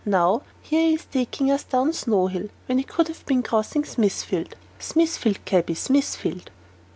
Now here he is taking us down Snow Hill, when he should have been crossing Smithfield. Smithfield, cabby, Smithfield!"